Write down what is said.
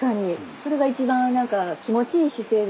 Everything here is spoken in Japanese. それが一番何か気持ちいい姿勢ですよね。ですねえ。